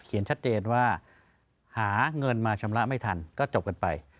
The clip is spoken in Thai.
ชัดเจนว่าหาเงินมาชำระไม่ทันก็จบกันไป